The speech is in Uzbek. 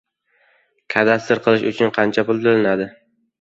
Kadastr qilish uchun qancha pul to`lanadi?